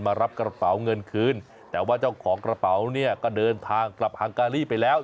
รับกระเป๋าเงินคืนแต่ว่าเจ้าของกระเป๋าเนี่ยก็เดินทางกลับฮังการีไปแล้ว